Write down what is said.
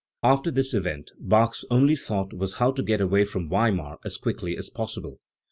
After this event, Bach's only thought was how to get away >from Weimar as quickly as possible.